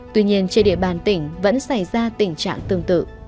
tuy nhiên trên địa bàn tỉnh vẫn xảy ra tình trạng tương tự